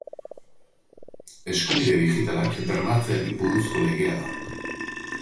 Eskubide Digitalak bermatzeari buruzko legea.